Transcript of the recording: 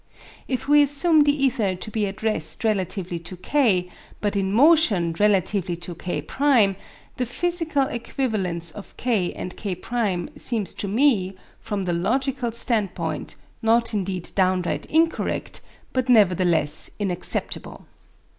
If we assume the ether to be at rest relatively to K, but in motion relatively to K', the physical equivalence of K and K' seems to me from the logical standpoint, not indeed downright incorrect, but nevertheless inacceptable.